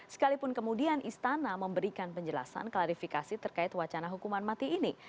sekalipun kemudian istana memberikan penjelasan klarifikasi terkait wacana hukuman mati ini